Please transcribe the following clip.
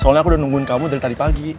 soalnya aku udah nungguin kamu dari tadi pagi